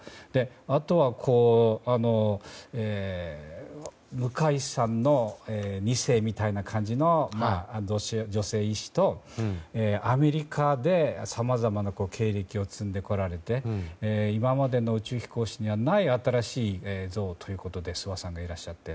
あとは向井さんの２世みたいな感じの女性医師とアメリカでさまざまな経歴を積んでこられて今までの宇宙飛行士にはない新しい像ということで諏訪さんがいらっしゃって。